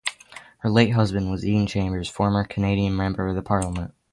Her late husband was Egan Chambers, former Canadian member of parliament.